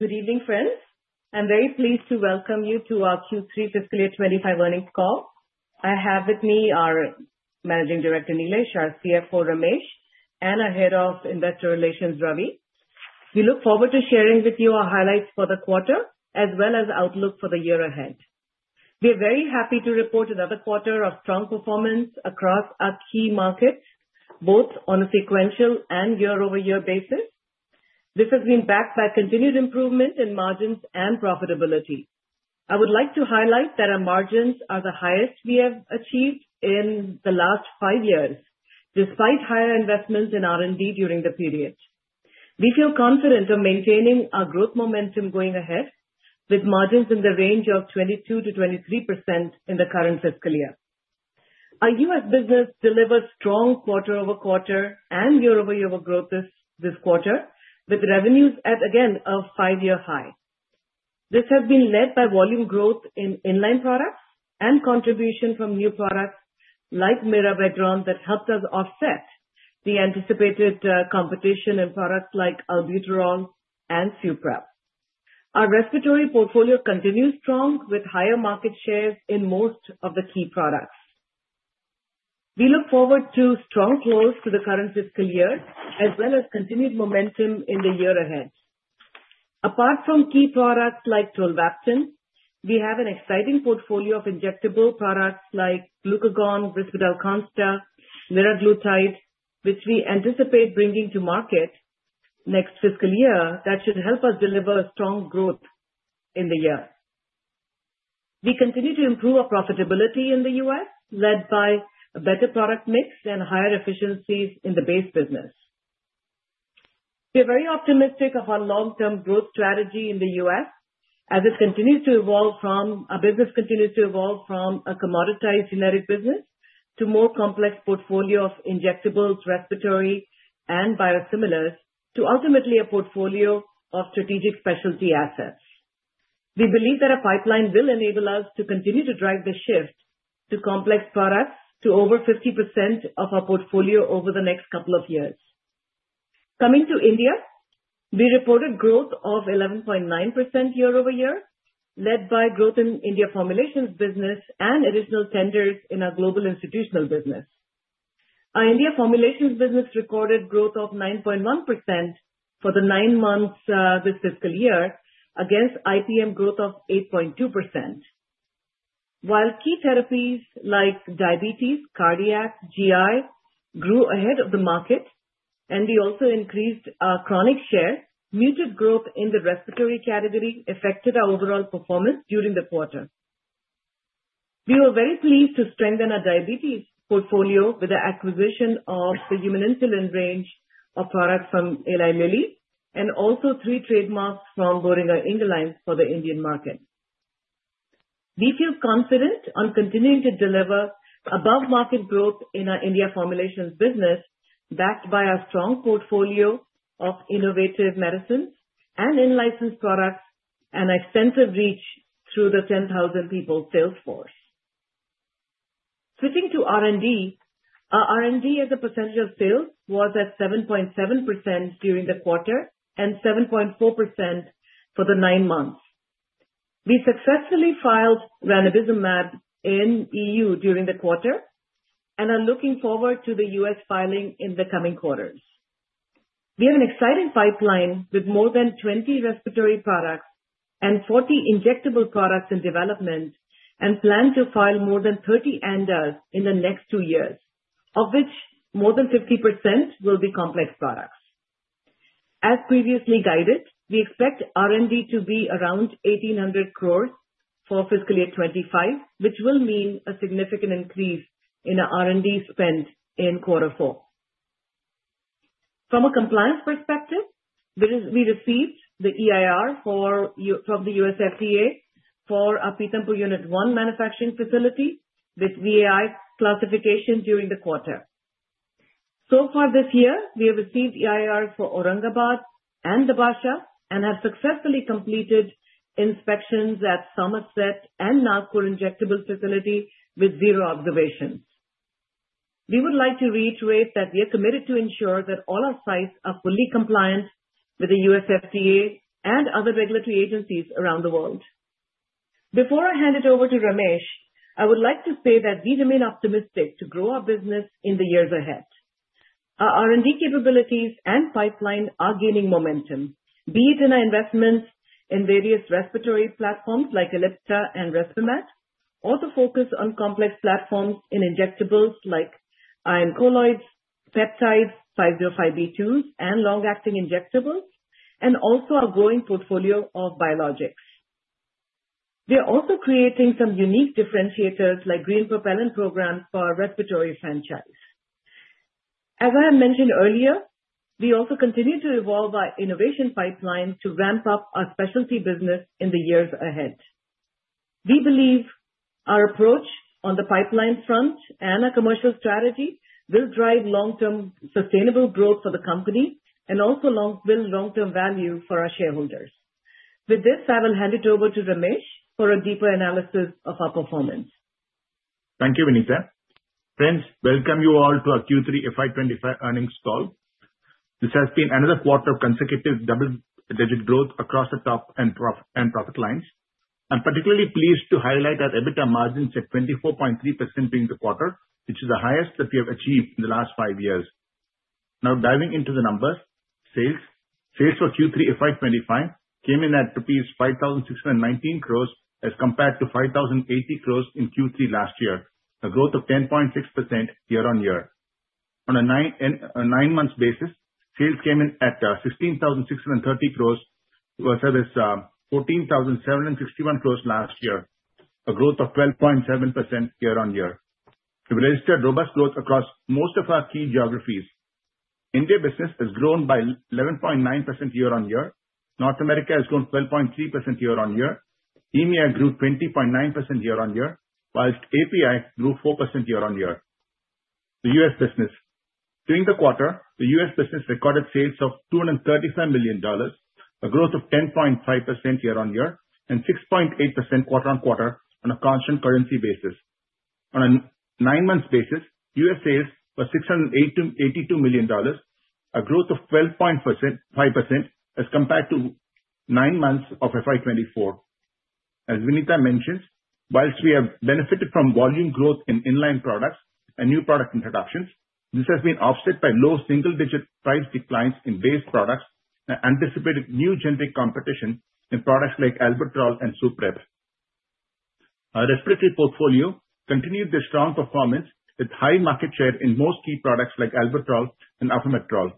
Good evening, friends. I'm very pleased to welcome you to our Q3 Fiscal Year 25 Earnings Call. I have with me our Managing Director, Nilesh, our CFO, Ramesh, and our Head of Investor Relations, Ravi. We look forward to sharing with you our highlights for the quarter, as well as outlook for the year ahead. We are very happy to report another quarter of strong performance across our key markets, both on a sequential and year-over-year basis. This has been backed by continued improvement in margins and profitability. I would like to highlight that our margins are the highest we have achieved in the last five years, despite higher investments in R&D during the period. We feel confident of maintaining our growth momentum going ahead, with margins in the range of 22%-23% in the current fiscal year. Our U.S. Business delivered strong quarter-over-quarter and year-over-year growth this quarter, with revenues at, again, a five-year high. This has been led by volume growth in inline products and contribution from new products like mirabegron, that helped us offset the anticipated competition in products like albuterol and suprep. Our respiratory portfolio continues strong, with higher market shares in most of the key products. We look forward to strong close to the current fiscal year, as well as continued momentum in the year ahead. Apart from key products like tolvaptan, we have an exciting portfolio of injectable products like Glucagon, Risperdal Consta, and liraglutide, which we anticipate bringing to market next fiscal year. That should help us deliver strong growth in the year. We continue to improve our profitability in the U.S., led by a better product mix and higher efficiencies in the base business. We are very optimistic of our long-term growth strategy in the U.S., as it continues to evolve from a commoditized generic business to a more complex portfolio of injectables, respiratory, and biosimilars, to ultimately a portfolio of strategic specialty assets. We believe that our pipeline will enable us to continue to drive the shift to complex products to over 50% of our portfolio over the next couple of years. Coming to India, we reported growth of 11.9% year-over-year, led by growth in India formulations business and additional tenders in our global institutional business. Our India formulations business recorded growth of 9.1% for the nine months this fiscal year, against IPM growth of 8.2%. While key therapies like diabetes, cardiac, and GI grew ahead of the market, and we also increased our chronic share, muted growth in the respiratory category affected our overall performance during the quarter. We were very pleased to strengthen our diabetes portfolio with the acquisition of the human insulin range of products from Eli Lilly and also three trademarks from Boehringer Ingelheim for the Indian market. We feel confident on continuing to deliver above-market growth in our India formulations business, backed by our strong portfolio of innovative medicines and in-license products and extensive reach through the 10,000-person sales force. Switching to R&D, our R&D as a percentage of sales was at 7.7% during the quarter and 7.4% for the nine months. We successfully filed ranibizumab in EU during the quarter and are looking forward to the U.S. filing in the coming quarters. We have an exciting pipeline with more than 20 respiratory products and 40 injectable products in development and plan to file more than 30 ANDAs in the next two years, of which more than 50% will be complex products. As previously guided, we expect R&D to be around 1,800 crores for fiscal year 2025, which will mean a significant increase in our R&D spend in Q4. From a compliance perspective, we received the EIR from the U.S. FDA for our Pithampur Unit One manufacturing facility with VAI classification during the quarter. So far this year, we have received EIRs for Aurangabad and Dabhasa and have successfully completed inspections at Somerset and Nagpur injectable facility with zero observations. We would like to reiterate that we are committed to ensure that all our sites are fully compliant with the U.S. FDA and other regulatory agencies around the world. Before I hand it over to Ramesh, I would like to say that we remain optimistic to grow our business in the years ahead. Our R&D capabilities and pipeline are gaining momentum, be it in our investments in various respiratory platforms like Ellipta and Respimat, or the focus on complex platforms in injectables like iron colloids, peptides, 505(b)(2)s, and long-acting injectables, and also our growing portfolio of biologics. We are also creating some unique differentiators like green propellant programs for our respiratory franchise. As I have mentioned earlier, we also continue to evolve our innovation pipeline to ramp up our specialty business in the years ahead. We believe our approach on the pipeline front and our commercial strategy will drive long-term sustainable growth for the company and also will bring long-term value for our shareholders. With this, I will hand it over to Ramesh for a deeper analysis of our performance. Thank you, Vinita. Friends, welcome you all to our Q3 FY25 Earnings Call. This has been another quarter of consecutive double-digit growth across the top and profit lines. I'm particularly pleased to highlight that EBITDA margins at 24.3% during the quarter, which is the highest that we have achieved in the last five years. Now, diving into the numbers, sales. Sales for Q3 FY25 came in at rupees 5,619 crores as compared to 5,080 crores in Q3 last year, a growth of 10.6% year-on-year. On a nine-month basis, sales came in at 16,630 crores versus 14,761 crores last year, a growth of 12.7% year-on-year. We registered robust growth across most of our key geographies. India business has grown by 11.9% year-on-year. North America has grown 12.3% year-on-year. EMEA grew 20.9% year-on-year, while API grew 4% year-on-year. The U.S. business. During the quarter, the U.S. business recorded sales of $235 million, a growth of 10.5% year-on-year and 6.8% quarter-on-quarter on a constant currency basis. On a nine-month basis, U.S. sales were $682 million, a growth of 12.5% as compared to nine months of FY24. As Vinita mentioned, while we have benefited from volume growth in inline products and new product introductions, this has been offset by low single-digit price declines in base products and anticipated new generic competition in products like albuterol and suprep. Our respiratory portfolio continued the strong performance with high market share in most key products like albuterol and arformoterol.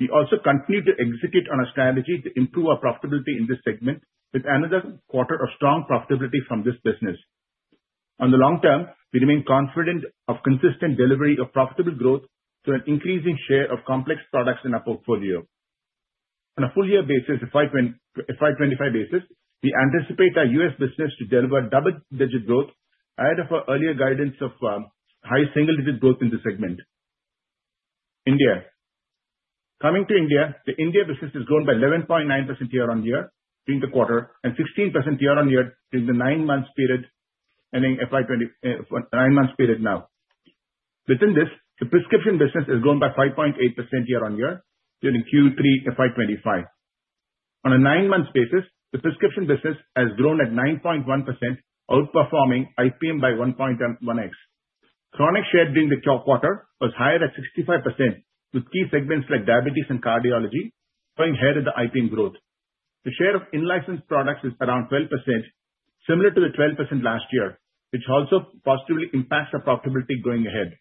We also continue to execute on our strategy to improve our profitability in this segment, with another quarter of strong profitability from this business. On the long term, we remain confident of consistent delivery of profitable growth through an increasing share of complex products in our portfolio. On a full-year basis, FY25 basis, we anticipate our U.S. business to deliver double-digit growth ahead of our earlier guidance of high single-digit growth in the segment. India. Coming to India, the India business has grown by 11.9% year-on-year during the quarter and 16% year-on-year during the nine-month period ending FY25. Within this, the prescription business has grown by 5.8% year-on-year during Q3 FY25. On a nine-month basis, the prescription business has grown at 9.1%, outperforming IPM by 1.1x. Chronic share during the quarter was higher at 65%, with key segments like diabetes and cardiology going ahead in the IPM growth. The share of in-license products is around 12%, similar to the 12% last year, which also positively impacts our profitability going ahead.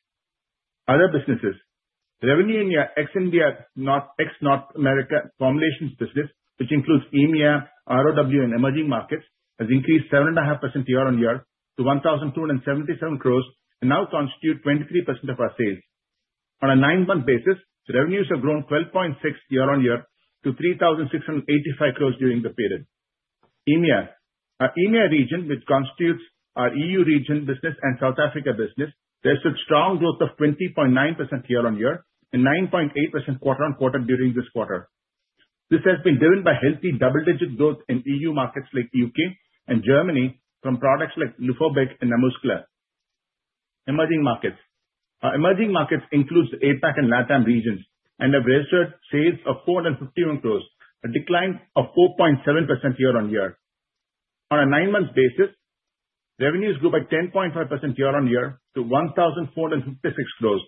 Other businesses. Revenue in the ex-India North America formulations business, which includes EMEA, ROW, and emerging markets, has increased 7.5% year-on-year to 1,277 crores and now constitutes 23% of our sales. On a nine-month basis, revenues have grown 12.6% year-on-year to 3,685 crores during the period. EMEA. Our EMEA region, which constitutes our EU region business and South Africa business, registered strong growth of 20.9% year-on-year and 9.8% quarter-on-quarter during this quarter. This has been driven by healthy double-digit growth in EU markets like the UK and Germany from products like Luforbec, Kixelle, and Namuscla. Emerging markets. Our emerging markets include the APAC and LATAM regions, and have registered sales of 451 crores, a decline of 4.7% year-on-year. On a nine-month basis, revenues grew by 10.5% year-on-year to 1,456 crores,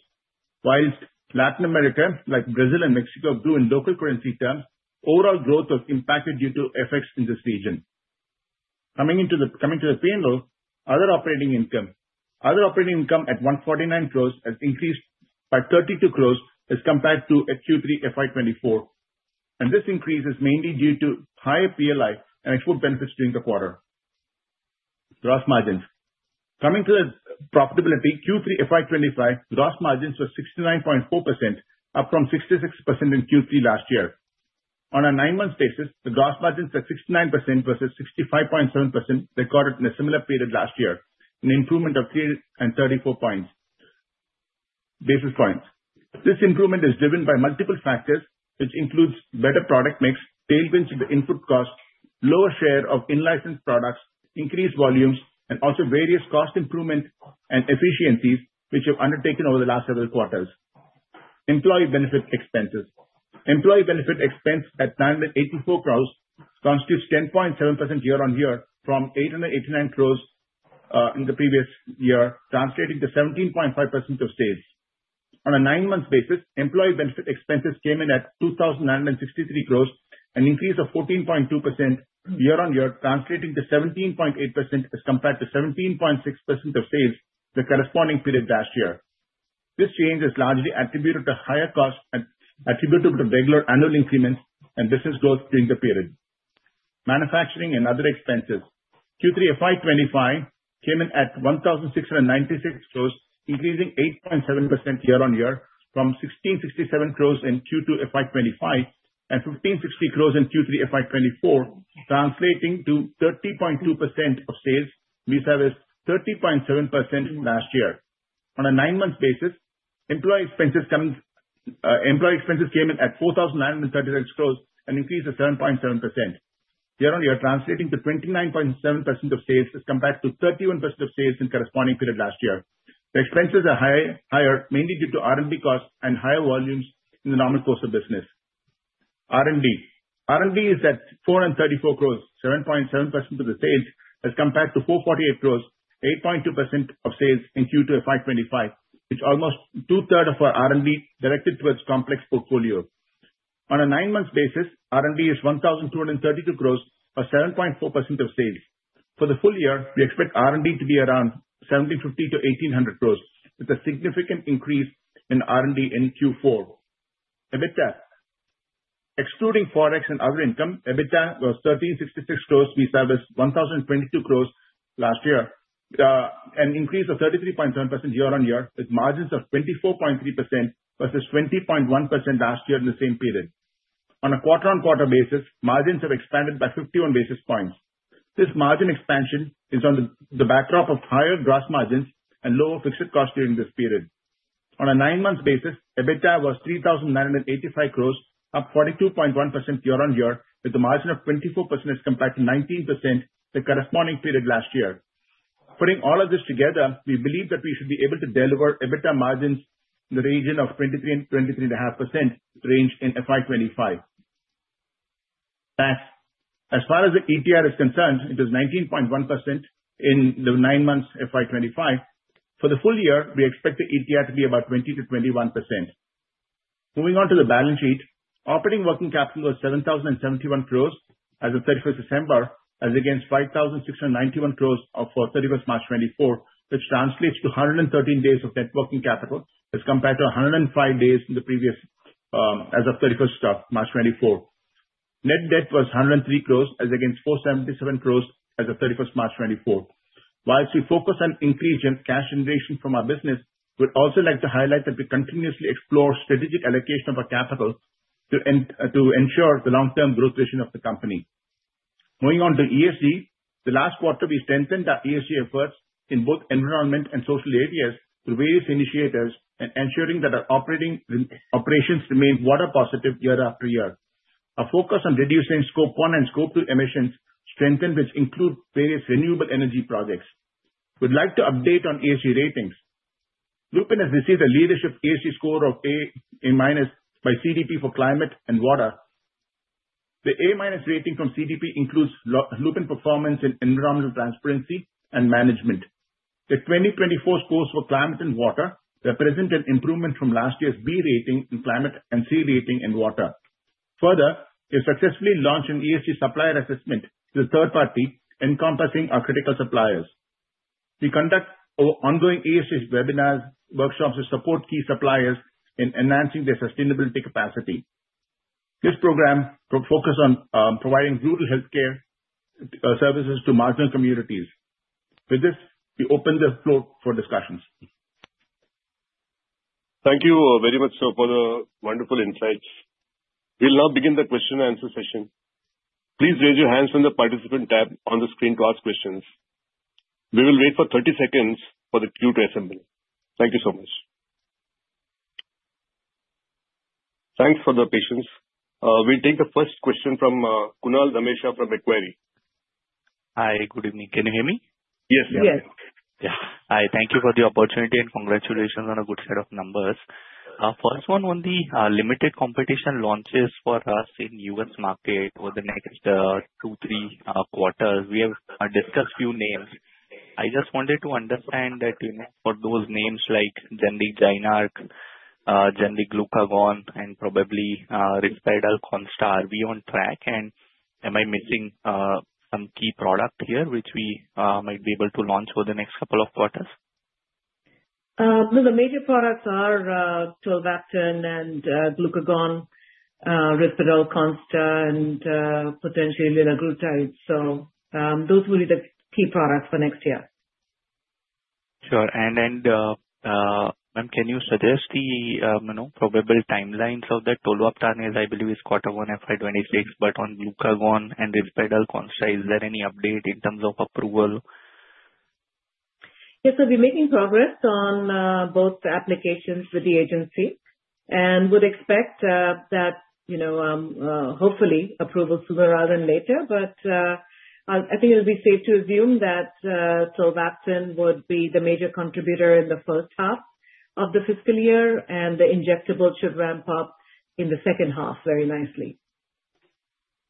while Latin America, like Brazil and Mexico, grew in local currency terms. Overall growth was impacted due to effects in this region. Coming to the other operating income. Other operating income at 149 crores has increased by 32 crores as compared to Q3 FY24. And this increase is mainly due to higher PLI and export benefits during the quarter. Gross margins. Coming to the profitability, Q3 FY25, gross margins were 69.4%, up from 66% in Q3 last year. On a nine-month basis, the gross margins at 69% versus 65.7% recorded in a similar period last year, an improvement of 334 basis points. This improvement is driven by multiple factors, which includes better product mix, tailwinds in the input cost, lower share of in-license products, increased volumes, and also various cost improvements and efficiencies which have undertaken over the last several quarters. Employee benefit expenses. Employee benefit expense at 984 crores was up 10.7% year-on-year from 889 crores in the previous year, translating to 17.5% of sales. On a nine-month basis, employee benefit expenses came in at 2,963 crores, an increase of 14.2% year-on-year, translating to 17.8% as compared to 17.6% of sales in the corresponding period last year. This change is largely attributed to higher costs attributed to regular annual increments and business growth during the period. Manufacturing and other expenses for Q3 FY25 came in at 1,696 crores, increasing 8.7% year-on-year from INR 1,560 crores in Q3 FY24 and from 1,667 crores in Q2 FY25, translating to 30.2% of sales versus 30.7% last year. On a nine-month basis, manufacturing and other expenses came in at 4,936 crores, an increase of 7.7% year-on-year, translating to 29.7% of sales as compared to 31% of sales in the corresponding period last year. The expenses are higher, mainly due to R&D costs and higher volumes in the normal course of business. R&D. R&D is at 434 crores, 7.7% of the sales, as compared to 448 crores, 8.2% of sales in Q2 FY25, which almost two-thirds of our R&D directed towards complex portfolio. On a nine-month basis, R&D is 1,232 crores, or 7.4% of sales. For the full year, we expect R&D to be around 1,750-1,800 crores, with a significant increase in R&D in Q4. EBITDA. Excluding forex and other income, EBITDA was 1,366 crores. Versus 1,022 crores last year, an increase of 33.7% year-on-year, with margins of 24.3% versus 20.1% last year in the same period. On a quarter-on-quarter basis, margins have expanded by 51 basis points. This margin expansion is on the backdrop of higher gross margins and lower fixed costs during this period. On a nine-month basis, EBITDA was 3,985 crores, up 42.1% year-on-year, with a margin of 24% as compared to 19% in the corresponding period last year. Putting all of this together, we believe that we should be able to deliver EBITDA margins in the region of 23% and 23.5% range in FY25. Tax. As far as the ETR is concerned, it was 19.1% in the nine-month FY25. For the full year, we expect the ETR to be about 20% to 21%. Moving on to the balance sheet, operating working capital was 7,071 crores as of 31st December, as against 5,691 crores for 31 March 2024, which translates to 113 days of net working capital as compared to 105 days in the previous as of 31 March 2024. Net debt was 103 crores, as against 477 crores as of 31 March 2024. While we focus on increased cash generation from our business, we'd also like to highlight that we continuously explore strategic allocation of our capital to ensure the long-term growth vision of the company. Moving on to ESG, in the last quarter, we strengthened our ESG efforts in both environment and social areas through various initiatives and ensuring that our operations remain water positive year after year. Our focus on reducing Scope 1 and Scope 2 emissions strengthened, which includes various renewable energy projects. We'd like to update on ESG ratings. Lupin has received a leadership ESG score of A minus by CDP for climate and water. The A minus rating from CDP includes Lupin performance in environmental transparency and management. The 2024 scores for climate and water represent an improvement from last year's B rating in climate and C rating in water. Further, we've successfully launched an ESG supplier assessment to the third party, encompassing our critical suppliers. We conduct ongoing ESG webinars, workshops to support key suppliers in enhancing their sustainability capacity. This program will focus on providing rural healthcare services to marginal communities. With this, we open the floor for discussions. Thank you very much for the wonderful insights. We'll now begin the question and answer session. Please raise your hands from the participant tab on the screen to ask questions. We will wait for 30 seconds for the queue to assemble. Thank you so much. Thanks for the patience. We'll take the first question from Kunal Dhamesha from Macquarie. Hi, good evening. Can you hear me? Yes, yes. Yes. Hi, thank you for the opportunity and congratulations on a good set of numbers. First one, when the limited competition launches for us in the U.S. market over the next two, three quarters, we have discussed a few names. I just wanted to understand that for those names like Jynarque, generic Glucagon, and probably Risperdal Consta, are we on track? And am I missing some key product here which we might be able to launch over the next couple of quarters? No, the major products are tolvaptan and glucagon, Risperdal Consta, and potentially Liraglutide. So those will be the key products for next year. Sure. And ma'am, can you suggest the probable timelines of the tolvaptan, as I believe it's Q1 FY26, but on Glucagon and Risperdal Consta? Is there any update in terms of approval? Yes, so we're making progress on both applications with the agency and would expect that hopefully approval sooner rather than later. But I think it'll be safe to assume that Tolvaptan would be the major contributor in the first half of the fiscal year, and the injectable should ramp up in the second half very nicely.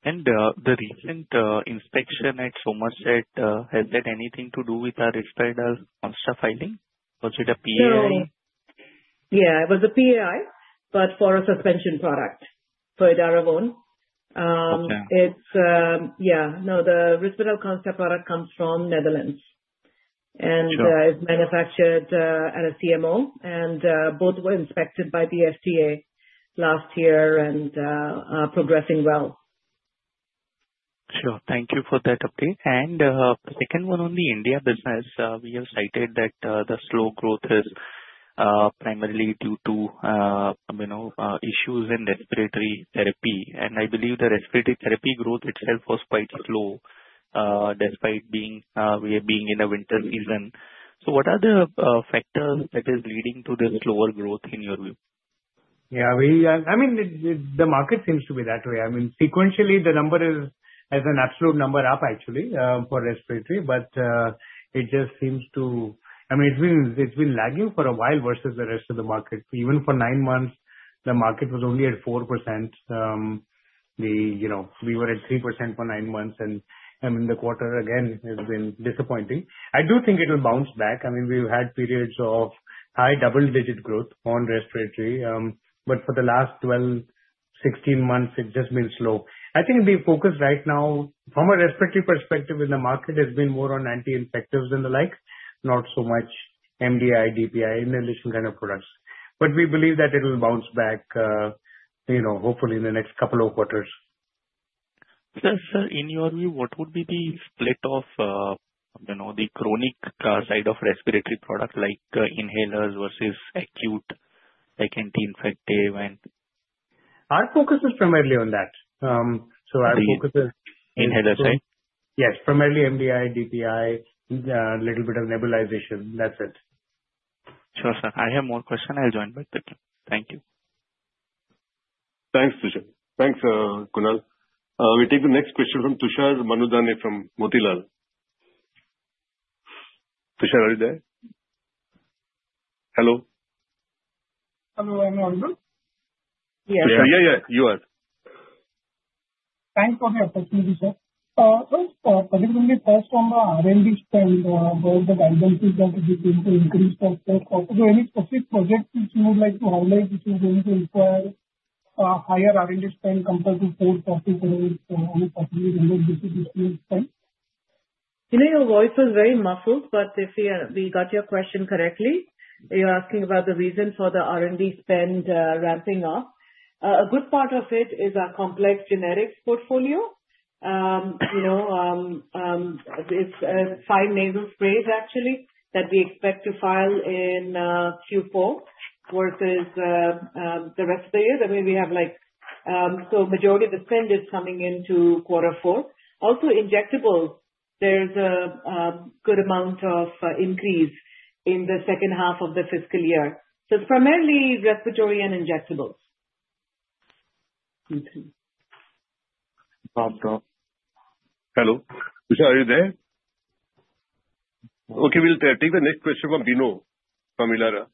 The recent inspection at Somerset has had anything to do with the Risperdal Consta filing? Was it a PAI? Yeah, it was a PAI, but for a suspension product for edaravone. Yeah, no, the Risperdal Consta product comes from Netherlands and is manufactured at a CMO, and both were inspected by the FDA last year and are progressing well. Sure. Thank you for that update. And the second one on the India business, we have cited that the slow growth is primarily due to issues in respiratory therapy. And I believe the respiratory therapy growth itself was quite slow despite being in the winter season. So what are the factors that are leading to the slower growth in your view? Yeah, I mean, the market seems to be that way. I mean, sequentially, the number is an absolute number up, actually, for respiratory, but it just seems to, I mean, it's been lagging for a while versus the rest of the market. Even for nine months, the market was only at 4%. We were at 3% for nine months, and I mean, the quarter again has been disappointing. I do think it will bounce back. I mean, we've had periods of high double-digit growth on respiratory, but for the last 12, 16 months, it's just been slow. I think the focus right now, from a respiratory perspective in the market, has been more on anti-infectives and the like, not so much MDI, DPI, inhalation kind of products. But we believe that it will bounce back, hopefully, in the next couple of quarters. Sir, in your view, what would be the split of the chronic side of respiratory products like inhalers versus acute, like anti-infective and? Our focus is primarily on that. So our focus is. Inhalers, right? Yes, primarily MDI, DPI, a little bit of nebulization. That's it. Sure, sir. I have more questions. I'll join back the team. Thank you. Thanks, Tushar. Thanks, Kunal. We'll take the next question from Tushar Manudhane from Motilal. Tushar, are you there? Hello? Hello. I'm on the line. Tushar, yeah, yeah, you are. Thanks for the opportunity, sir. First, particularly on the R&D spend, the guidance is that it is going to increase in FY24. So any specific projects which you would like to highlight which are going to require higher R&D spend compared to FY24, FY25, 600-700 basis points spend? You know, your voice was very muffled, but we got your question correctly. You're asking about the reason for the R&D spend ramping up. A good part of it is our complex generics portfolio. It's five nasal sprays, actually, that we expect to file in Q4 versus the rest of the year. I mean, the majority of the spend is coming into Q4. Also, injectables, there's a good amount of increase in the second half of the fiscal year. So it's primarily respiratory and injectables. Okay. Hello. Tushar, are you there? Okay, we'll take the next question from Bino Pathiparampil.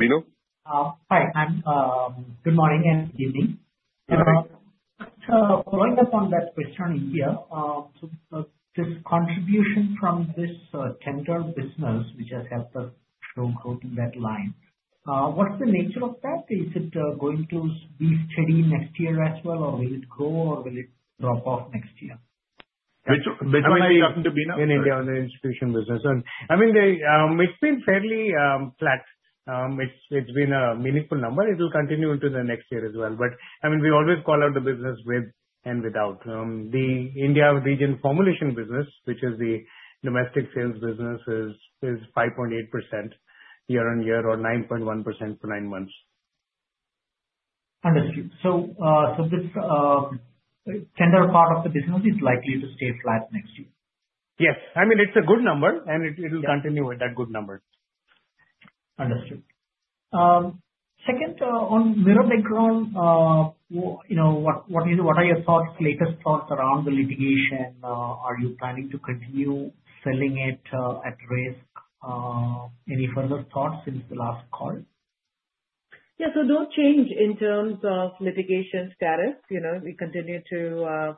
Bino? Hi, ma'am. Good morning and good evening. Following up on that question here, this contribution from this tender business, which has helped us show growth in that line, what's the nature of that? Is it going to be steady next year as well, or will it grow, or will it drop off next year? Which one are you talking to, Bino? In India on the institutional business. I mean, it's been fairly flat. It's been a meaningful number. It'll continue into the next year as well. But I mean, we always call out the business with and without. The India region formulation business, which is the domestic sales business, is 5.8% year-on-year or 9.1% for nine months. Understood. So this tender part of the business is likely to stay flat next year? Yes. I mean, it's a good number, and it'll continue with that good number. Understood. Second, on Mirabegron, what are your thoughts, latest thoughts around the litigation? Are you planning to continue selling it at risk? Any further thoughts since the last call? Yeah, so no change in terms of litigation status. We continue to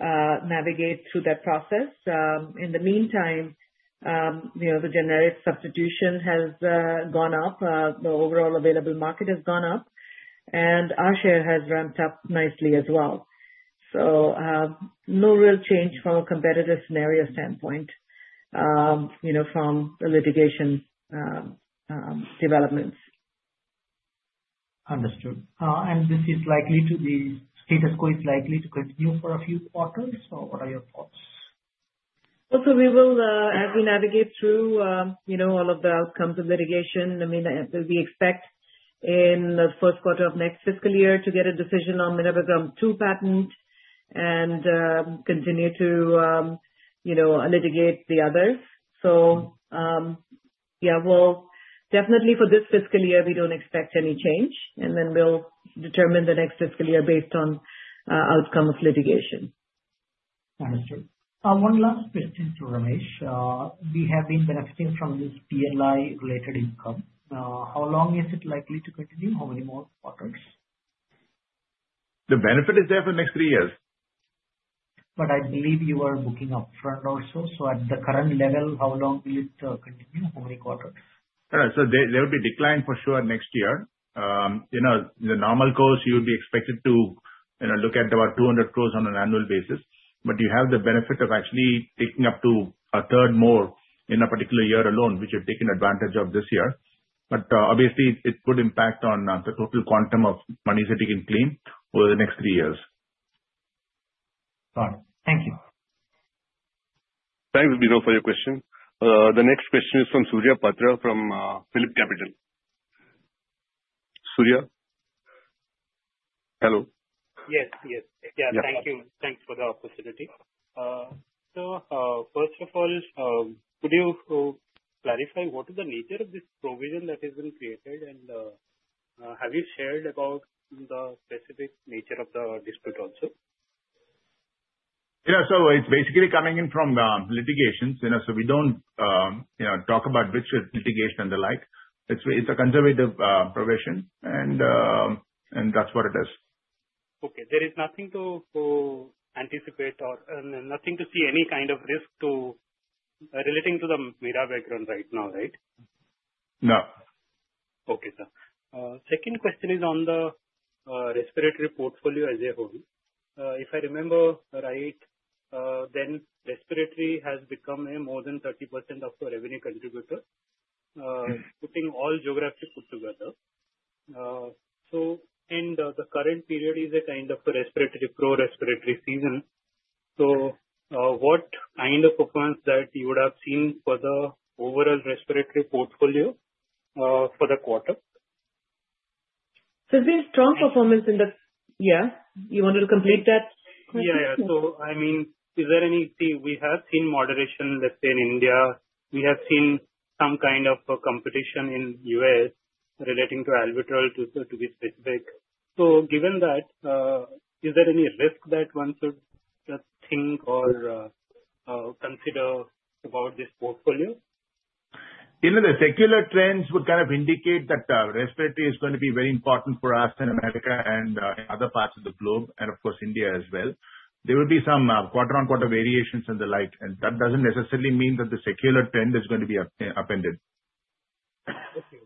navigate through that process. In the meantime, the generic substitution has gone up. The overall available market has gone up, and our share has ramped up nicely as well. So no real change from a competitive scenario standpoint from the litigation developments. Understood. And this is likely to be status quo is likely to continue for a few quarters? Or what are your thoughts? We will, as we navigate through all of the outcomes of litigation, I mean, we expect in the Q1 of next fiscal year to get a decision on Mirabegron 2 patent and continue to litigate the others. Definitely for this fiscal year, we don't expect any change, and then we'll determine the next fiscal year based on outcome of litigation. Understood. One last question to Ramesh. We have been benefiting from this PLI-related income. How long is it likely to continue? How many more quarters? The benefit is there for the next three years. But I believe you are booking upfront also. So at the current level, how long will it continue? How many quarters? So there will be a decline for sure next year. In the normal course, you would be expected to look at about 200 crore on an annual basis. But you have the benefit of actually taking up to a third more in a particular year alone, which you've taken advantage of this year. But obviously, it would impact on the total quantum of money that you can claim over the next three years. Got it. Thank you. Thanks, Bino, for your question. The next question is from Surya Patra from Phillip Capital. Surya? Hello? Yes, yes. Yeah, thank you. Thanks for the opportunity. So first of all, could you clarify what is the nature of this provision that has been created? And have you shared about the specific nature of the dispute also? Yeah, so it's basically coming in from litigations. So we don't talk about which litigation and the like. It's a conservative provision, and that's what it is. Okay. There is nothing to anticipate or nothing to see any kind of risk relating to the Mirabegron right now, right? No. Okay. Second question is on the respiratory portfolio as a whole. If I remember right, then respiratory has become more than 30% of the revenue contributor, putting all geographies together. And the current period is a kind of a respiratory peak respiratory season. So what kind of performance that you would have seen for the overall respiratory portfolio for the quarter? There's been strong performance in the. Yeah. You wanted to complete that question? Yeah, yeah. So I mean, is there any? See, we have seen moderation, let's say, in India. We have seen some kind of competition in the U.S. relating to albuterol, to be specific. So given that, is there any risk that one should think or consider about this portfolio? You know, the secular trends would kind of indicate that respiratory is going to be very important for us in America and other parts of the globe, and of course, India as well. There will be some quarter-on-quarter variations and the like. And that doesn't necessarily mean that the secular trend is going to be upended. Okay.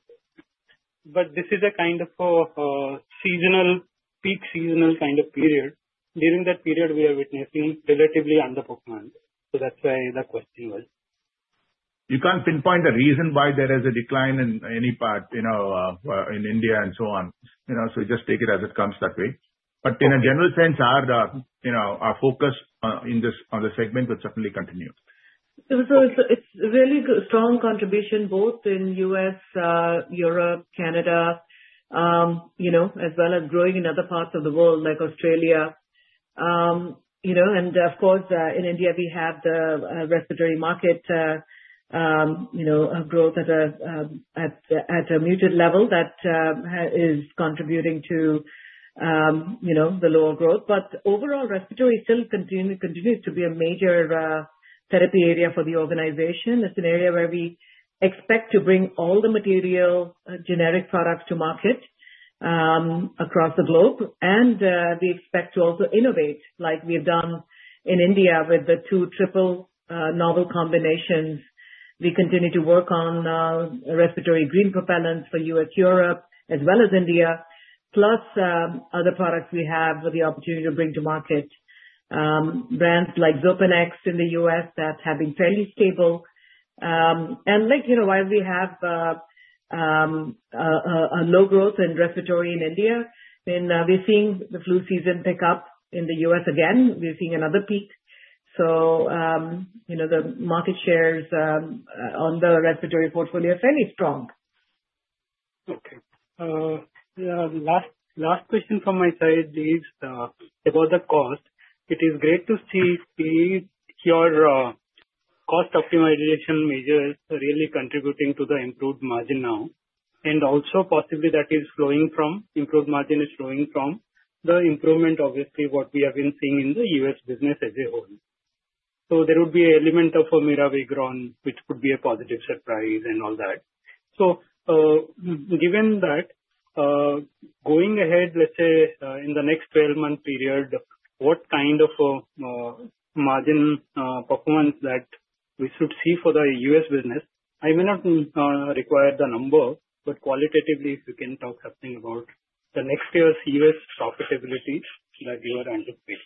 But this is a kind of a seasonal, peak seasonal kind of period. During that period, we are witnessing relatively underperforming. So that's why the question was. You can't pinpoint a reason why there is a decline in any part in India and so on. So just take it as it comes that way. But in a general sense, our focus on the segment would certainly continue. So it's really strong contribution both in the U.S., Europe, Canada, as well as growing in other parts of the world like Australia. And of course, in India, we have the respiratory market growth at a muted level that is contributing to the lower growth. But overall, respiratory still continues to be a major therapy area for the organization. It's an area where we expect to bring all the material generic products to market across the globe. And we expect to also innovate, like we have done in India with the two triple novel combinations. We continue to work on respiratory green propellants for U.S., Europe, as well as India, plus other products we have the opportunity to bring to market. Brands like Xopenex in the U.S. that have been fairly stable. And while we have a low growth in respiratory in India, then we're seeing the flu season pick up in the U.S. again. We're seeing another peak. So the market shares on the respiratory portfolio are fairly strong. Okay. Last question from my side is about the cost. It is great to see your cost optimization measures really contributing to the improved margin now. And also, possibly, the improved margin is flowing from the improvement, obviously, what we have been seeing in the U.S. business as a whole. So there would be an element of a Mirabegron, which could be a positive surprise and all that. So given that, going ahead, let's say, in the next 12-month period, what kind of margin performance that we should see for the U.S. business? I may not require the number, but qualitatively, if you can talk something about the next year's U.S. profitability that you are anticipating.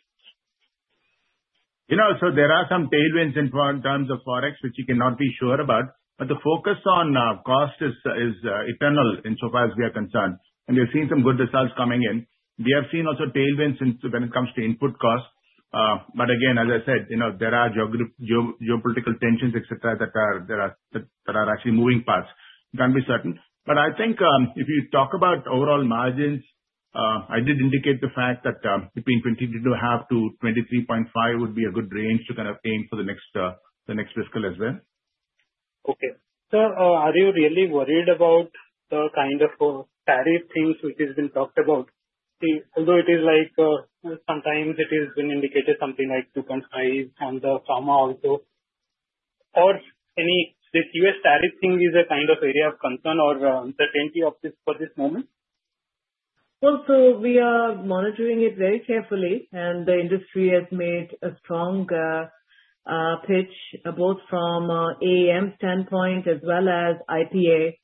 So there are some tailwinds in terms of forex, which you cannot be sure about. But the focus on cost is eternal insofar as we are concerned. And we've seen some good results coming in. We have seen also tailwinds when it comes to input cost. But again, as I said, there are geopolitical tensions, etc., that are actually moving parts. Can't be certain. But I think if you talk about overall margins, I did indicate the fact that between 22.5% to 23.5% would be a good range to kind of aim for the next fiscal as well. Okay. Sir, are you really worried about the kind of tariff things which has been talked about? Although it is like sometimes it has been indicated something like 2.5% on the pharma also. Or this U.S. tariff thing is a kind of area of concern or uncertainty for this moment? Well, so we are monitoring it very carefully, and the industry has made a strong pitch both from AAM standpoint as well as IPA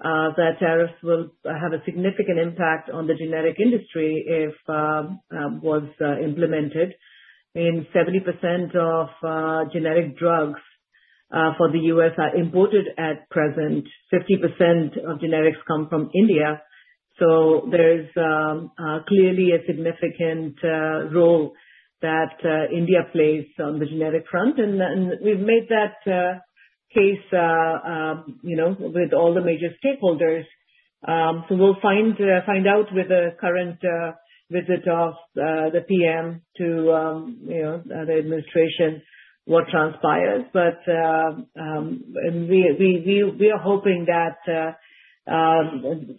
that tariffs will have a significant impact on the generic industry if it was implemented. I mean, 70% of generic drugs for the U.S. are imported at present. 50% of generics come from India. So there's clearly a significant role that India plays on the generic front. And we've made that case with all the major stakeholders. So we'll find out with the current visit of the PM to the administration what transpires. But we are hoping that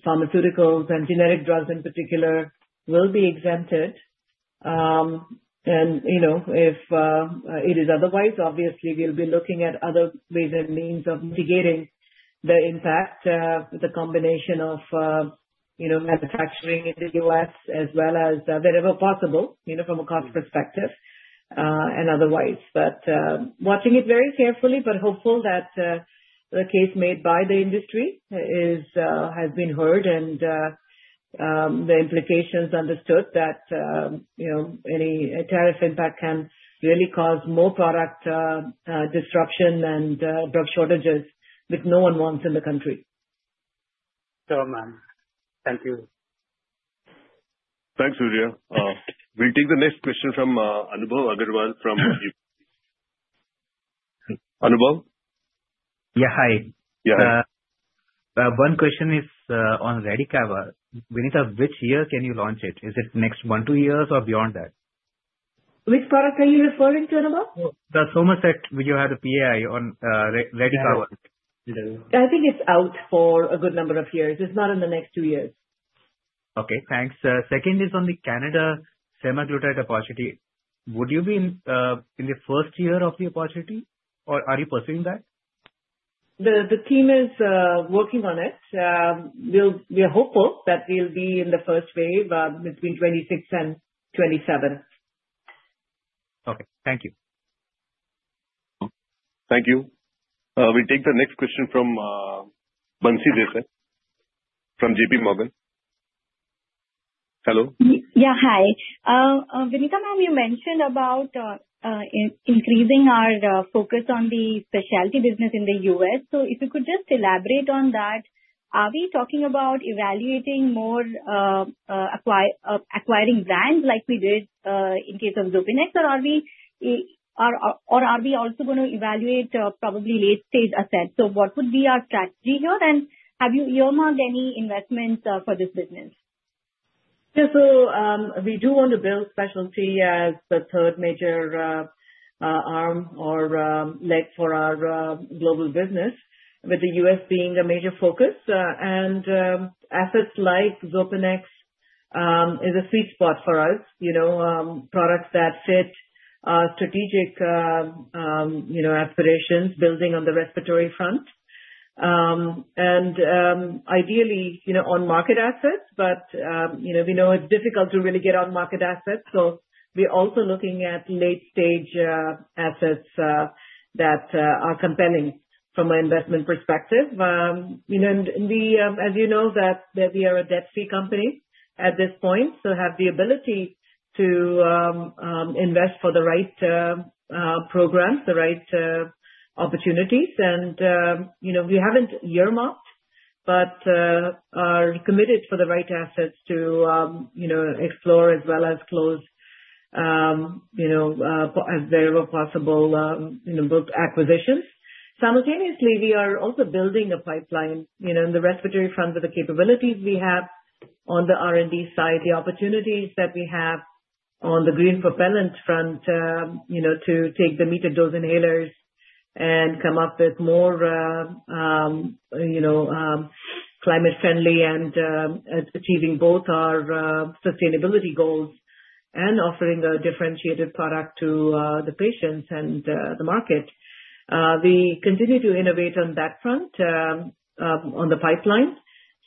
pharmaceuticals and generic drugs in particular will be exempted. And if it is otherwise, obviously, we'll be looking at other ways and means of mitigating the impact with the combination of manufacturing in the U.S. as well as wherever possible from a cost perspective and otherwise. But watching it very carefully, but hopeful that the case made by the industry has been heard and the implications understood that any tariff impact can really cause more product disruption and drug shortages, which no one wants in the country. So, ma'am. Thank you. Thanks, Surya. We'll take the next question from Anubhav Agarwal from UBS. Anubhav? Yeah, hi. Yeah, hi. One question is on Radicava. Bino, which year can you launch it? Is it next one, two years, or beyond that? Which product are you referring to, Anubhav? The Somerset, which you had a PAI on Radicava. I think it's out for a good number of years. It's not in the next two years. Okay. Thanks. Second is on the Canada semaglutide opportunity. Would you be in the first year of the opportunity, or are you pursuing that? The team is working on it. We are hopeful that we'll be in the first wave between 26 and 27. Okay. Thank you. Thank you. We'll take the next question from Bansi Desai from JPMorgan. Hello? Yeah, hi. Vinita, ma'am, you mentioned about increasing our focus on the specialty business in the U.S. So if you could just elaborate on that, are we talking about evaluating more acquiring brands like we did in case of Xopenex, or are we also going to evaluate probably late-stage assets? So what would be our strategy here? And have you earmarked any investments for this business? Yeah, so we do want to build specialty as the third major arm or leg for our global business, with the U.S. being a major focus. And assets like Xopenex is a sweet spot for us, products that fit strategic aspirations building on the respiratory front. And ideally, on market assets, but we know it's difficult to really get on market assets. So we're also looking at late-stage assets that are compelling from an investment perspective. And as you know, that we are a debt-free company at this point, so have the ability to invest for the right programs, the right opportunities. And we haven't earmarked, but are committed for the right assets to explore as well as close as there were possible acquisitions. Simultaneously, we are also building a pipeline in the respiratory front with the capabilities we have on the R&D side, the opportunities that we have on the green propellant front to take the metered-dose inhalers and come up with more climate-friendly and achieving both our sustainability goals and offering a differentiated product to the patients and the market. We continue to innovate on that front, on the pipeline,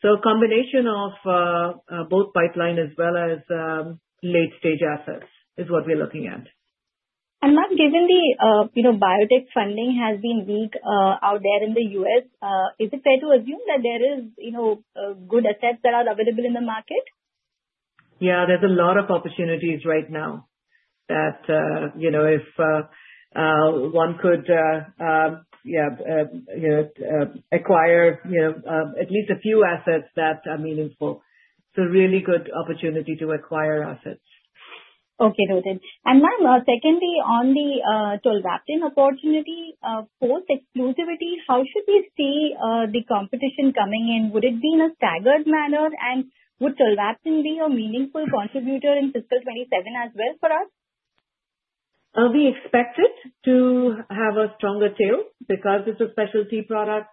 so a combination of both pipeline as well as late-stage assets is what we're looking at. Ma'am, given the biotech funding has been weak out there in the U.S., is it fair to assume that there are good assets that are available in the market? Yeah, there's a lot of opportunities right now that if one could acquire at least a few assets that are meaningful. So really good opportunity to acquire assets. Okay, noted. And ma'am, secondly, on the Tolvaptan opportunity, post-exclusivity, how should we see the competition coming in? Would it be in a staggered manner? And would Tolvaptan be a meaningful contributor in fiscal 2027 as well for us? We expect it to have a stronger tail because it's a specialty product,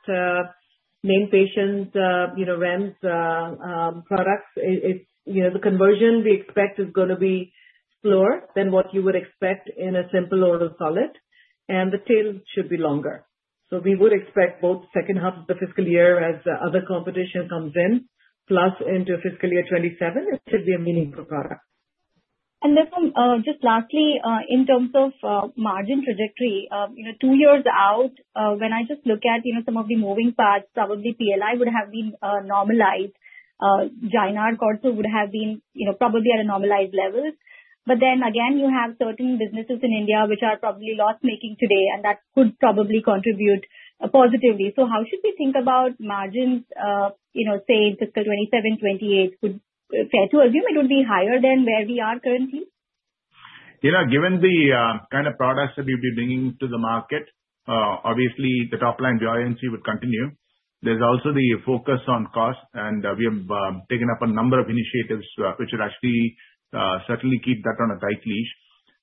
many patients, REMS products. The conversion we expect is going to be slower than what you would expect in a simple oral solid. And the tail should be longer. So we would expect both second half of the fiscal year as other competition comes in, plus into fiscal year 2027, it should be a meaningful product. Just lastly, in terms of margin trajectory, two years out, when I just look at some of the moving parts, probably PLI would have been normalized. Jynarque also would have been probably at a normalized level, but then again, you have certain businesses in India which are probably loss-making today, and that could probably contribute positively, so how should we think about margins, say, in fiscal 2027, 2028? Fair to assume it would be higher than where we are currently? Given the kind of products that we've been bringing to the market, obviously, the top-line volatility would continue. There's also the focus on cost, and we have taken up a number of initiatives which would actually certainly keep that on a tight leash.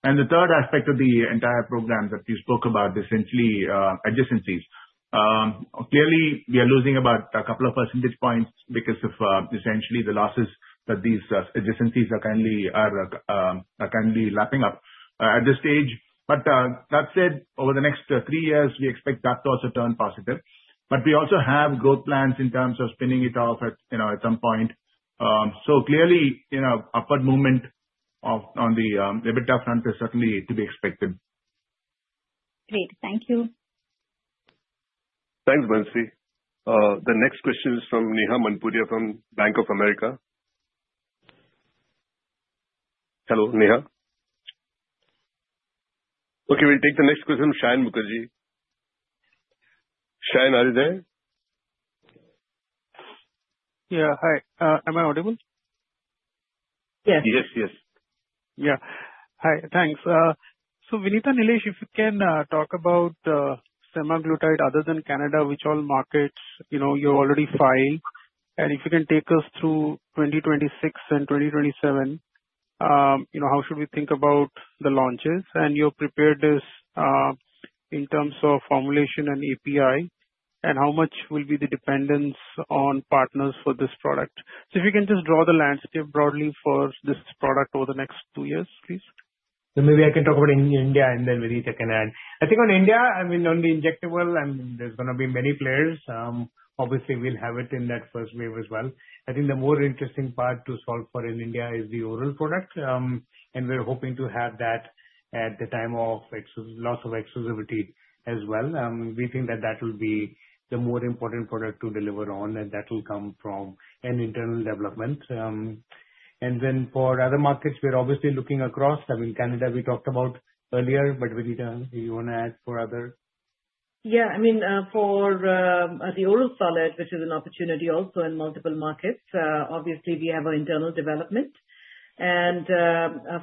And the third aspect of the entire program that you spoke about, essentially, adjacencies. Clearly, we are losing about a couple of percentage points because of essentially the losses that these adjacencies are currently lapping up at this stage. But that said, over the next three years, we expect that to also turn positive. But we also have growth plans in terms of spinning it off at some point. So clearly, upward movement on the EBITDA front is certainly to be expected. Great. Thank you. Thanks, Bansi. The next question is from Neha Manpuria from Bank of America. Hello, Neha. Okay, we'll take the next question from Shayan Mukherjee. Shayan, are you there? Yeah, hi. Am I audible? Yes. Yes, yes. Yeah. Hi. Thanks. So Vinita, Nilesh, if you can talk about semaglutide other than Canada, which all markets you've already filed, and if you can take us through 2026 and 2027, how should we think about the launches? And you've prepared this in terms of formulation and API, and how much will be the dependence on partners for this product? So if you can just draw the landscape broadly for this product over the next two years, please. So maybe I can talk about India and then Vinita can add. I think on India, I mean, on the injectable, I mean, there's going to be many players. Obviously, we'll have it in that first wave as well. I think the more interesting part to solve for in India is the oral product. And we're hoping to have that at the time of loss of exclusivity as well. We think that that will be the more important product to deliver on, and that will come from an internal development. And then for other markets, we're obviously looking across. I mean, Canada, we talked about earlier, but Vinita, you want to add for other? Yeah. I mean, for the oral solid, which is an opportunity also in multiple markets, obviously, we have our internal development. And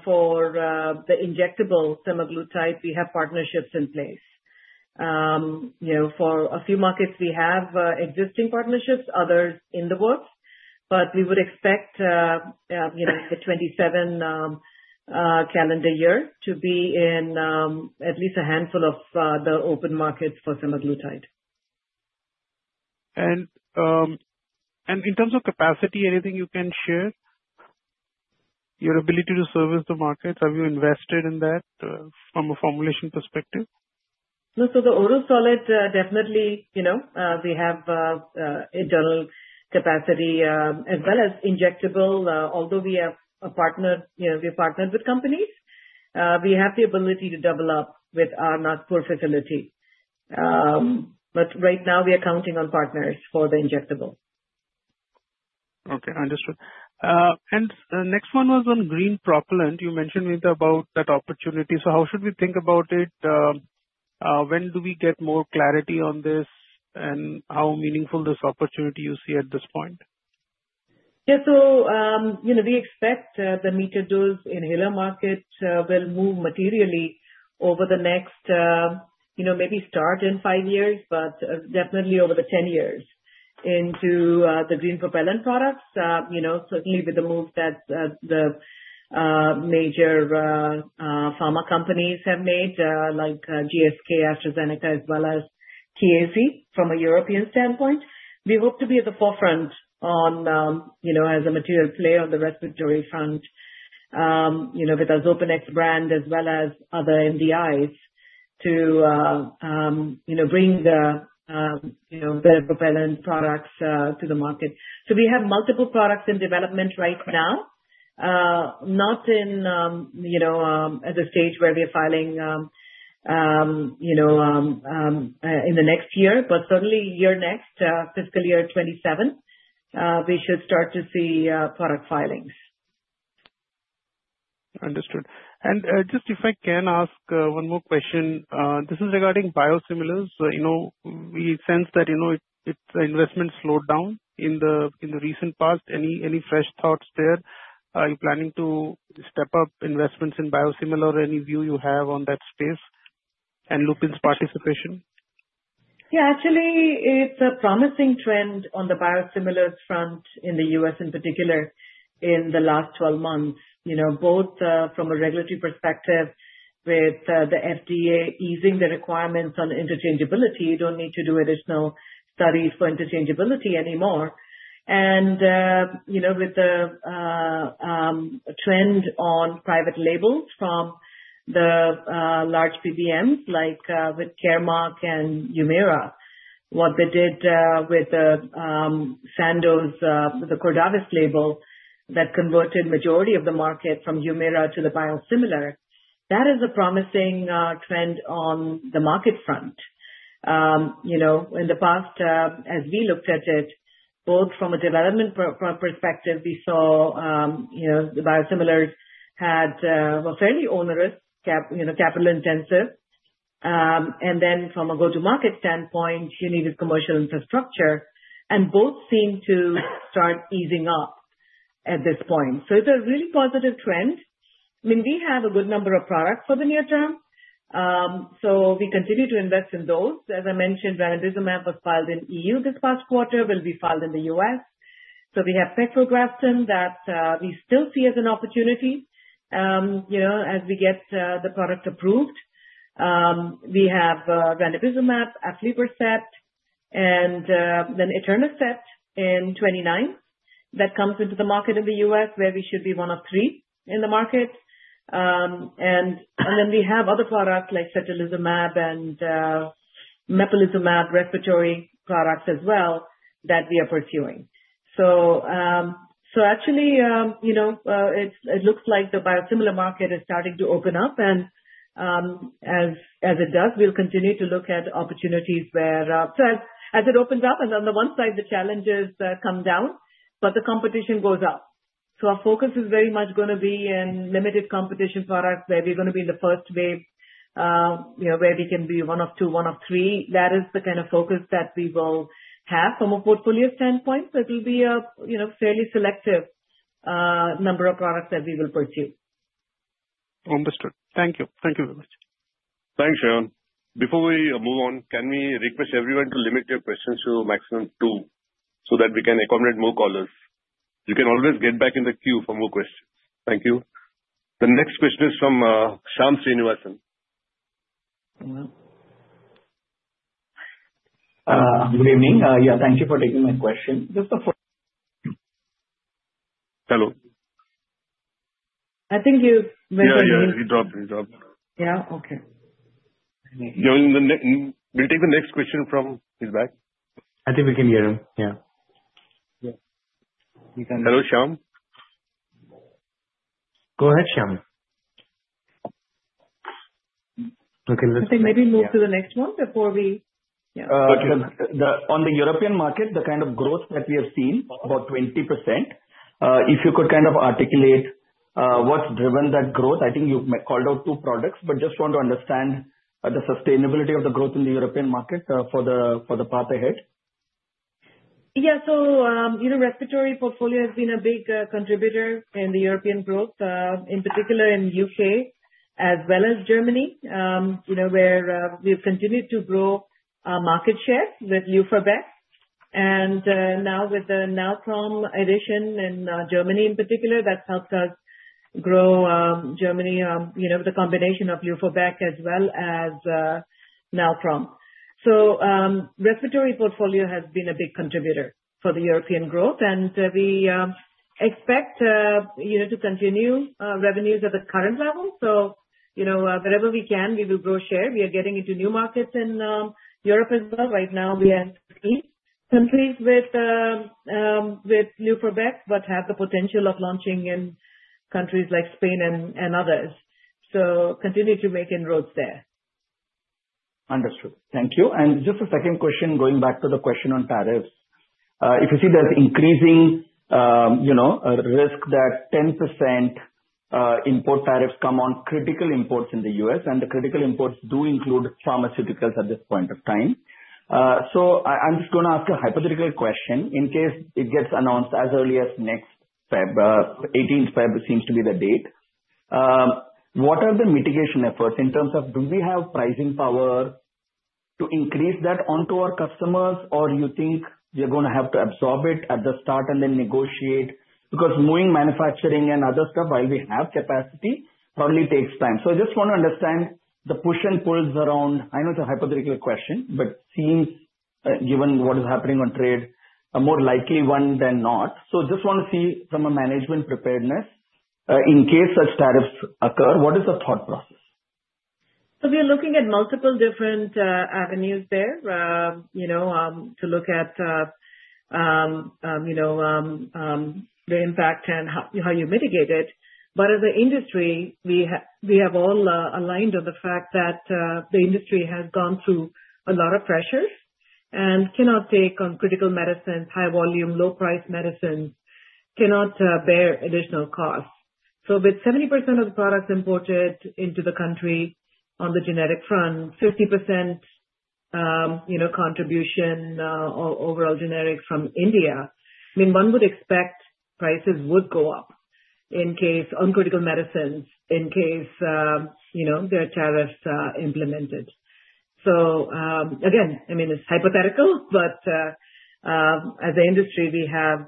for the injectable semaglutide, we have partnerships in place. For a few markets, we have existing partnerships, others in the works. But we would expect the 2027 calendar year to be in at least a handful of the open markets for semaglutide. And in terms of capacity, anything you can share? Your ability to service the markets, have you invested in that from a formulation perspective? No. So the oral solid, definitely, we have internal capacity as well as injectable. Although we have partnered with companies, we have the ability to double up with our Nagpur facility. But right now, we are counting on partners for the injectable. Okay. Understood, and the next one was on green propellant. You mentioned, Vinita, about that opportunity, so how should we think about it? When do we get more clarity on this and how meaningful this opportunity you see at this point? Yeah. So we expect the metered-dose inhaler market will move materially over the next maybe start in five years, but definitely over the 10 years into the green propellant products, certainly with the move that the major pharma companies have made like GSK, AstraZeneca, as well as Chiesi from a European standpoint. We hope to be at the forefront as a material player on the respiratory front with our Xopenex brand as well as other MDIs to bring the better propellant products to the market. So we have multiple products in development right now, not at a stage where we are filing in the next year, but certainly next year, fiscal year 2027, we should start to see product filings. Understood. And just if I can ask one more question, this is regarding biosimilars. We sense that the investment slowed down in the recent past. Any fresh thoughts there? Are you planning to step up investments in biosimilar or any view you have on that space and Lupin's participation? Yeah. Actually, it's a promising trend on the biosimilars front in the U.S. in particular in the last 12 months, both from a regulatory perspective with the FDA easing the requirements on interchangeability. You don't need to do additional studies for interchangeability anymore. And with the trend on private labels from the large PBMs like with Caremark and Humira, what they did with the Sandoz, the Cordavis label that converted the majority of the market from Humira to the biosimilar, that is a promising trend on the market front. In the past, as we looked at it, both from a development perspective, we saw the biosimilars were fairly onerous, capital-intensive. And then from a go-to-market standpoint, you needed commercial infrastructure, and both seem to start easing up at this point. So it's a really positive trend. I mean, we have a good number of products for the near term, so we continue to invest in those. As I mentioned, Ranibizumab was filed in the EU this past quarter. It will be filed in the U.S., so we have pegfilgrastim that we still see as an opportunity as we get the product approved. We have Ranibizumab, aflibercept, and then etanercept in 2029 that comes into the market in the U.S., where we should be one of three in the market, and then we have other products like certolizumab and mepolizumab respiratory products as well that we are pursuing. So actually, it looks like the biosimilar market is starting to open up, and as it does, we'll continue to look at opportunities where, as it opens up, and on the one side, the challenges come down, but the competition goes up. So our focus is very much going to be in limited competition products where we're going to be in the first wave, where we can be one of two, one of three. That is the kind of focus that we will have from a portfolio standpoint. So it will be a fairly selective number of products that we will pursue. Understood. Thank you. Thank you very much. Thanks, Shayan. Before we move on, can we request everyone to limit your questions to a maximum of two so that we can accommodate more callers? You can always get back in the queue for more questions. Thank you. The next question is from Shyam Srinivasan. Good evening. Yeah, thank you for taking my question. Just a quick. Hello. I think you heard me. Yeah, yeah. He dropped. He dropped. Yeah. Okay. We'll take the next question from HSBC. I think we can hear him. Yeah. Hello, Shyam. Go ahead, Shyam. Okay. Let's see. Maybe move to the next one before we yeah. On the European market, the kind of growth that we have seen, about 20%, if you could kind of articulate what's driven that growth? I think you've called out two products, but just want to understand the sustainability of the growth in the European market for the path ahead. Yeah. So the respiratory portfolio has been a big contributor in the European growth, in particular in the UK as well as Germany, where we've continued to grow our market share with Luforbec. And now with the Namuscla edition in Germany, in particular, that's helped us grow Germany with a combination of Luforbec as well as Namuscla. So the respiratory portfolio has been a big contributor for the European growth, and we expect to continue revenues at the current level. So wherever we can, we will grow share. We are getting into new markets in Europe as well. Right now, we have three countries with Luforbec but have the potential of launching in countries like Spain and others. So continue to make inroads there. Understood. Thank you. And just a second question going back to the question on tariffs. If you see there's increasing risk that 10% import tariffs come on critical imports in the U.S., and the critical imports do include pharmaceuticals at this point of time. So I'm just going to ask a hypothetical question. In case it gets announced as early as next February, 18th February seems to be the date, what are the mitigation efforts in terms of do we have pricing power to increase that onto our customers, or do you think we are going to have to absorb it at the start and then negotiate? Because moving manufacturing and other stuff, while we have capacity, probably takes time. So I just want to understand the push and pulls around. I know it's a hypothetical question, but seems, given what is happening on trade, a more likely one than not. So just want to see from a management preparedness, in case such tariffs occur, what is the thought process? So we are looking at multiple different avenues there to look at the impact and how you mitigate it. But as an industry, we have all aligned on the fact that the industry has gone through a lot of pressures and cannot take on critical medicines, high-volume, low-priced medicines, cannot bear additional costs. So with 70% of the products imported into the country on the generic front, 50% contribution or overall generic from India, I mean, one would expect prices would go up in case on critical medicines, in case there are tariffs implemented. So again, I mean, it's hypothetical, but as an industry, we have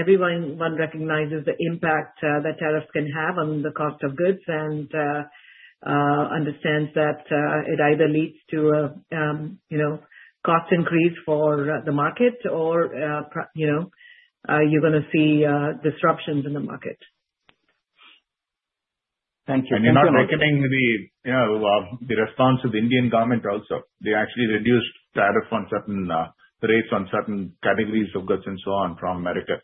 everyone recognizes the impact that tariffs can have on the cost of goods and understands that it either leads to a cost increase for the market or you're going to see disruptions in the market. Thank you. And you're not reckoning with the response of the Indian government also. They actually reduced tariffs on certain rates on certain categories of goods and so on from America.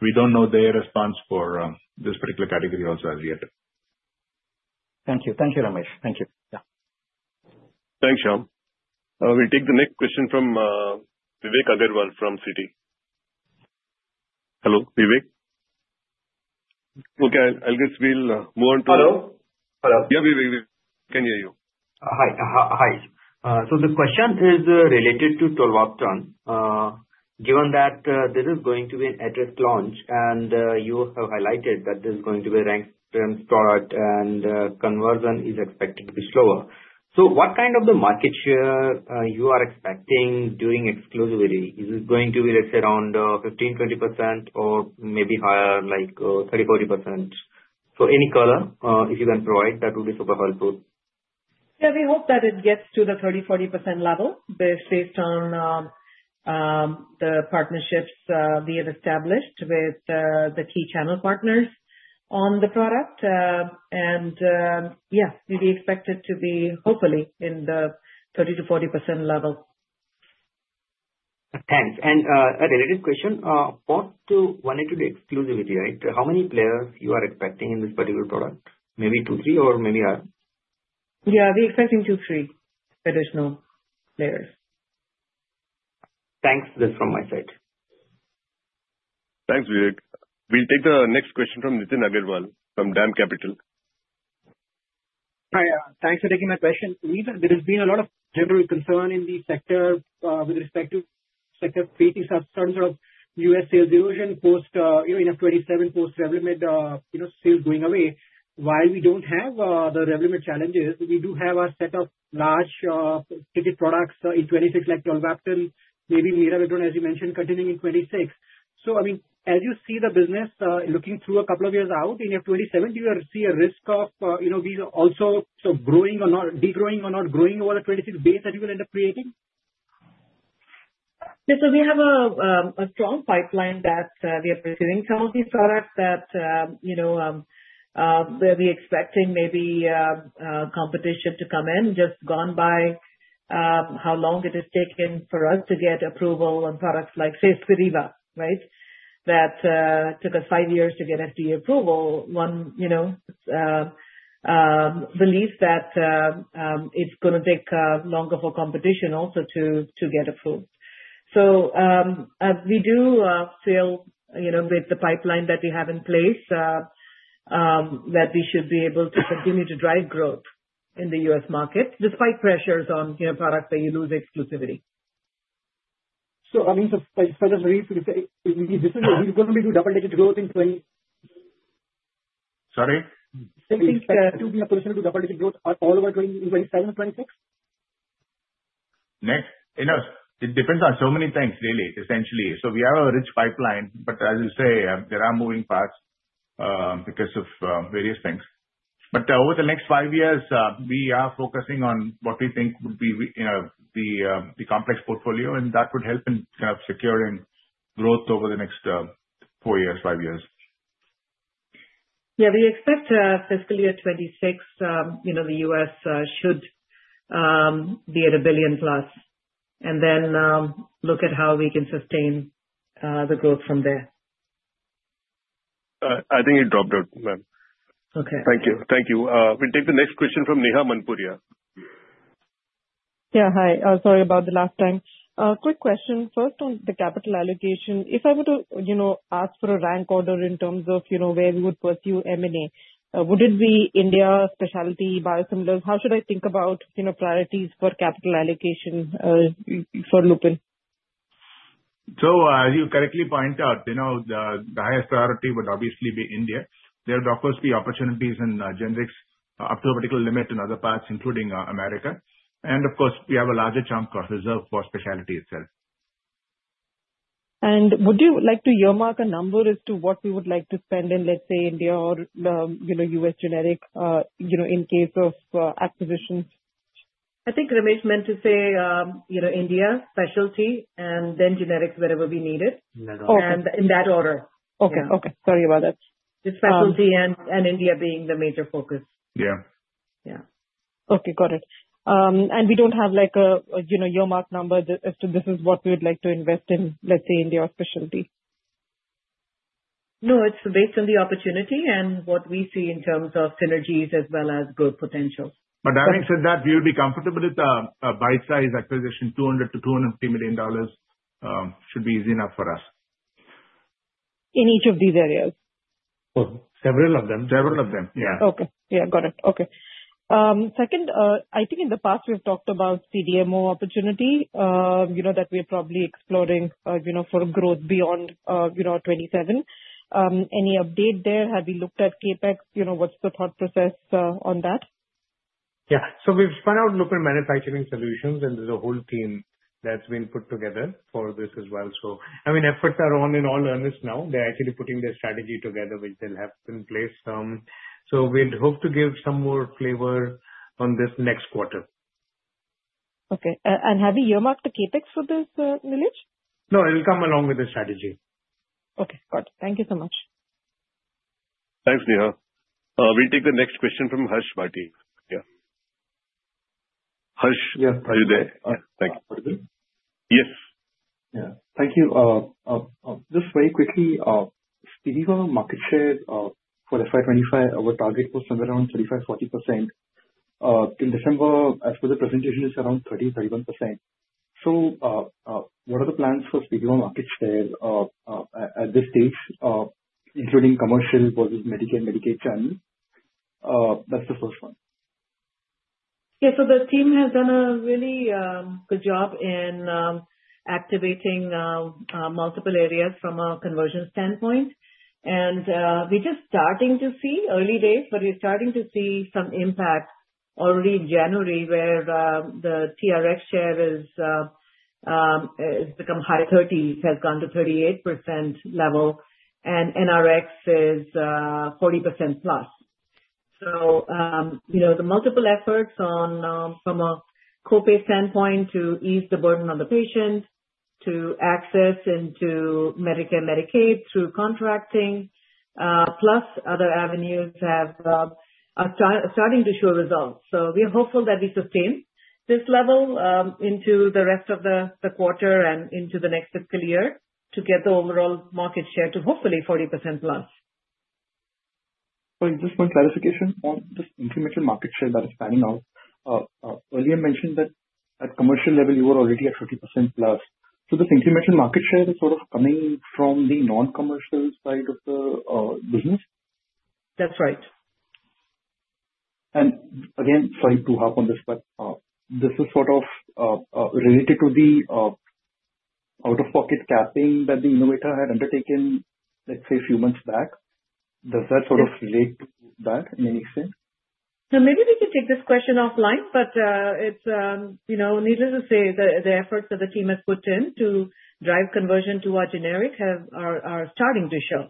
We don't know their response for this particular category also as yet. Thank you. Thank you, Ramesh. Thank you. Thanks, Shyam. We'll take the next question from Vivek Agarwal from Citi. Hello, Vivek. Okay. I'll just move on to. Hello. Yeah, Vivek. We can hear you. Hi. So the question is related to Tolvaptan. Given that this is going to be an authorized launch, and you have highlighted that this is going to be a branded product and conversion is expected to be slower. So what kind of market share you are expecting during exclusivity? Is it going to be, let's say, around 15%-20% or maybe higher, like 30%-40%? So any color if you can provide. That would be super helpful. Yeah. We hope that it gets to the 30%-40% level based on the partnerships we have established with the key channel partners on the product. And yeah, we expect it to be hopefully in the 30%-40% level. Thanks. And a related question, what about 180-day exclusivity, right? How many players you are expecting in this particular product? Maybe two, three, or maybe? Yeah. We're expecting two, three additional players. Thanks. That's from my side. Thanks, Vivek. We'll take the next question from Nitin Agarwal from DAM Capital. Hi. Thanks for taking my question. There has been a lot of general concern in the sector with respect to sector low, some sort of U.S. sales erosion post FY 2027, post-Revlimid sales going away. While we don't have the Revlimid challenges, we do have a set of large ticket products in 2026 like Tolvaptan, maybe Mirabegron, as you mentioned, continuing in 2026. So I mean, as you see the business looking through a couple of years out in FY 2027, do you see a risk of being also growing or not, degrowing or not growing over the 2026 base that you will end up creating? So we have a strong pipeline that we are pursuing. Some of these products that we are expecting maybe competition to come in, just gone by how long it has taken for us to get approval on products like Spiriva, right, that took us five years to get FDA approval. One belief that it's going to take longer for competition also to get approved. So we do feel with the pipeline that we have in place that we should be able to continue to drive growth in the U.S. market despite pressures on products that you lose exclusivity. So I mean, so just to reiterate, we're going to be able to double-digit growth in 2026. Sorry? I think we are positioned to double-digit growth all over 2027 and 2026. Next? It depends on so many things, really, essentially. So we have a rich pipeline, but as you say, there are moving parts because of various things. But over the next five years, we are focusing on what we think would be the complex portfolio, and that would help in kind of securing growth over the next four years, five years. Yeah. We expect fiscal year 2026, the U.S. should be at a billion-plus, and then look at how we can sustain the growth from there. I think it dropped out. Thank you. Thank you. We'll take the next question from Neha Manpuria. Yeah. Hi. Sorry about the last time. Quick question. First, on the capital allocation, if I were to ask for a rank order in terms of where we would pursue M&A, would it be India, specialty, biosimilars? How should I think about priorities for capital allocation for Lupin? So as you correctly point out, the highest priority would obviously be India. There, of course, the opportunities in generics up to a particular limit in other parts, including America. And of course, we have a larger chunk of reserve for specialty itself. Would you like to earmark a number as to what we would like to spend in, let's say, India or U.S. generic in case of acquisitions? I think Ramesh meant to say India, specialty, and then generics wherever we need it, in that order. Okay. Okay. Sorry about that. Specialty and India being the major focus. Yeah. Yeah. Okay. Got it. And we don't have an earmark number as to this is what we would like to invest in, let's say, India or specialty. No. It's based on the opportunity and what we see in terms of synergies as well as growth potential. But having said that, we would be comfortable with a bite-sized acquisition, $200-$250 million should be easy enough for us. In each of these areas? Several of them. Several of them. Yeah. Okay. Yeah. Got it. Okay. Second, I think in the past, we have talked about CDMO opportunity that we are probably exploring for growth beyond '27. Any update there? Have you looked at CapEx? What's the thought process on that? Yeah. So we've spun out Lupin Manufacturing Solutions, and there's a whole team that's been put together for this as well. So I mean, efforts are on in all earnest now. They're actually putting their strategy together, which they'll have in place. So we'd hope to give some more flavor on this next quarter. Okay. And have you earmarked the CapEx for this mileage? No. It'll come along with the strategy. Okay. Got it. Thank you so much. Thanks, Neha. We'll take the next question from Harsh Bhatia. Yeah. Harsh, are you there? Yeah. Thank you. Yes. Yeah. Thank you. Just very quickly, CDMO market share for FY25, our target was somewhere around 35%-40%. In December, as per the presentation, it's around 30%-31%. So what are the plans for CDMO market share at this stage, including commercial versus Medicare, Medicaid channel? That's the first one. Yeah. So the team has done a really good job in activating multiple areas from a conversion standpoint. And we're just starting to see early days, but we're starting to see some impact already in January where the TRx share has become high, 30 has gone to 38% level, and NRx is 40% plus. So the multiple efforts from a copay standpoint to ease the burden on the patient, to access into Medicaid, Medicaid through contracting, plus other avenues have starting to show results. So we are hopeful that we sustain this level into the rest of the quarter and into the next fiscal year to get the overall market share to hopefully 40% plus. Just one clarification on this incremental market share that is panning out. Earlier mentioned that at commercial level, you were already at 50% plus. So this incremental market share is sort of coming from the non-commercial side of the business? That's right. Again, sorry to hop on this, but this is sort of related to the out-of-pocket capping that the innovator had undertaken, let's say, a few months back. Does that sort of relate to that in any sense? So maybe we can take this question offline, but it's needless to say the efforts that the team has put in to drive conversion to our generic are starting to show.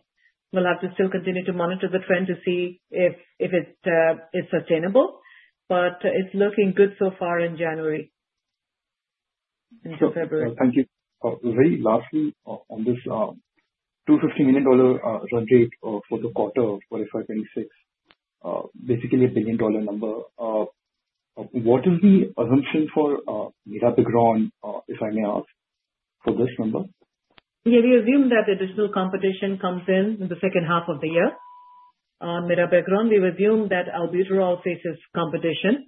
We'll have to still continue to monitor the trend to see if it's sustainable, but it's looking good so far in January and February. Thank you. Very lastly, on this $250 million run rate for the quarter for FY26, basically a billion-dollar number, what is the assumption for Mirabegron, if I may ask, for this number? Yeah. We assume that additional competition comes in in the second half of the year on Mirabegron. We've assumed that Albuterol faces competition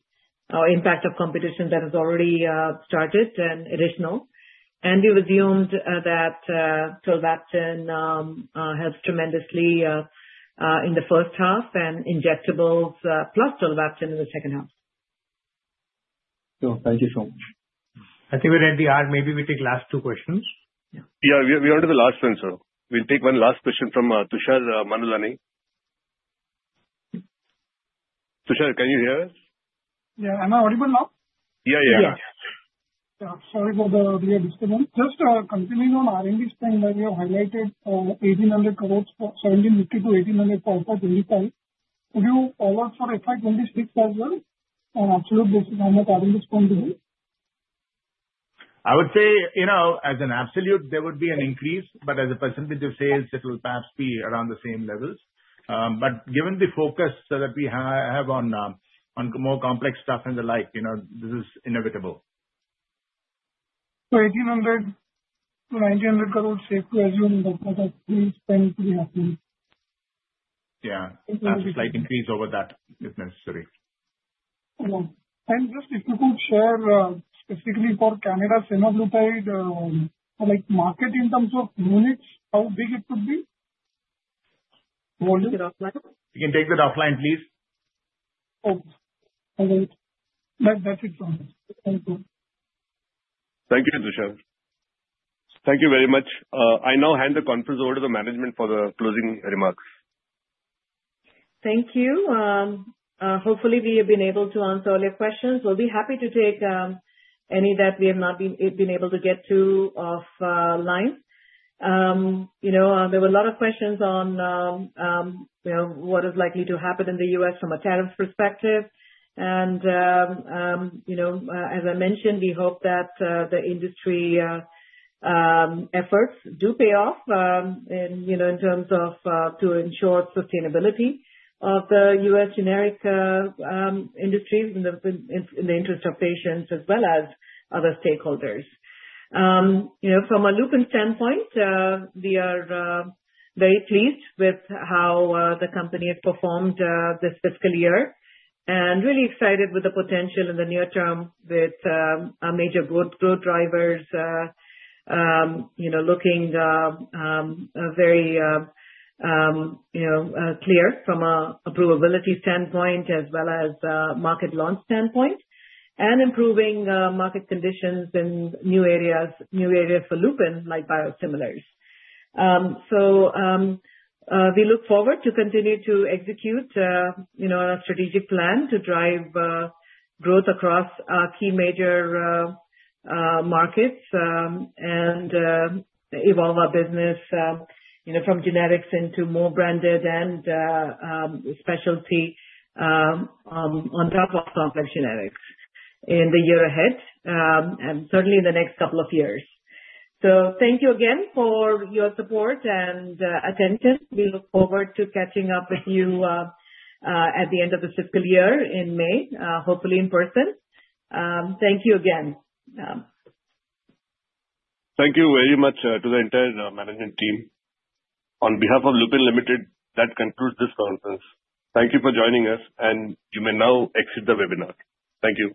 or impact of competition that has already started and additional. And we've assumed that Tolvaptan helps tremendously in the first half and injectables plus Tolvaptan in the second half. So thank you so much. I think we're at the hour. Maybe we take last two questions. Yeah. We're on to the last one, sir. We'll take one last question from Tushar Manudhane. Tushar, can you hear us? Yeah. Am I audible now? Yeah, yeah. Yeah. Sorry for the disconnect. Just continuing on R&D spend that you have highlighted, 1,800 crores for 1,750 to 1,800 for FY25. Would you forecast for FY26 as well on absolute basis how much R&D spend will be? I would say, as an absolute, there would be an increase, but as a percentage of sales, it will perhaps be around the same levels. But given the focus that we have on more complex stuff and the like, this is inevitable. So INR 1,800 crores safe to assume in the total spend to be happening? Yeah. Just slight increase over that if necessary. Just if you could share specifically for Canada's semaglutide market in terms of units, how big it could be? Volume? You can take that offline, please. Okay. All right. That's it from me. Thank you. Thank you, Tushar. Thank you very much. I now hand the conference over to the management for the closing remarks. Thank you. Hopefully, we have been able to answer all your questions. We'll be happy to take any that we have not been able to get to offline. There were a lot of questions on what is likely to happen in the U.S. from a tariff perspective, and as I mentioned, we hope that the industry efforts do pay off in terms of, to ensure sustainability of the U.S. generic industry in the interest of patients as well as other stakeholders. From a Lupin standpoint, we are very pleased with how the company has performed this fiscal year and really excited with the potential in the near term with major growth drivers looking very clear from an approvability standpoint as well as market launch standpoint and improving market conditions in new areas for Lupin like biosimilars. So we look forward to continue to execute our strategic plan to drive growth across key major markets and evolve our business from generics into more branded and specialty on top of complex generics in the year ahead and certainly in the next couple of years. So thank you again for your support and attention. We look forward to catching up with you at the end of the fiscal year in May, hopefully in person. Thank you again. Thank you very much to the entire management team. On behalf of Lupin Limited, that concludes this conference. Thank you for joining us, and you may now exit the webinar. Thank you.